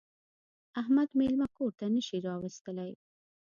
احمد مېلمه کور ته نه شي راوستلی.